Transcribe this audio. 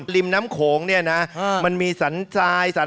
ในริมแน้มโขงมันมีสันทราย